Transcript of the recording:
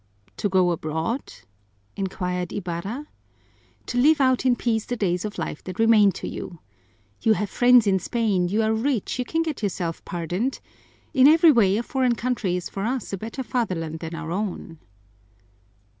"To go abroad?" inquired Ibarra. "To live out in peace the days of life that remain to you. You have friends in Spain, you are rich, you can get yourself pardoned. In every way a foreign country is for us a better fatherland than our own."